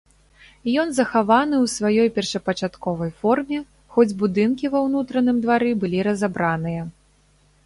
Ён захаваны ў сваёй першапачатковай форме, хоць будынкі ва ўнутраным двары былі разабраныя.